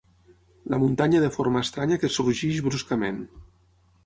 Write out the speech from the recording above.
La muntanya de forma estranya que sorgeix bruscament